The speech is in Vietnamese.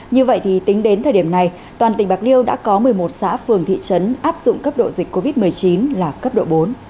như vậy thì tính đến thời điểm này toàn tỉnh bạc liêu đã có một mươi một xã phường thị trấn áp dụng cấp độ dịch covid một mươi chín là cấp độ bốn